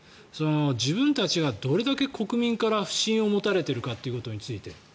自分たちがどれだけ国民から不信を持たれているかということについて。